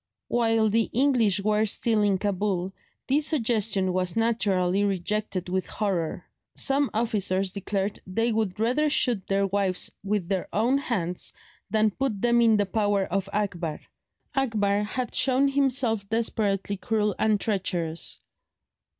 While the English were still in Cabul, this suggestion was naturally rejected with horror. Some officers declared they would rather shoot their wives with their own hands than put them in the power of Akbar. Akbar had shown himself desperately cruel and treacherous.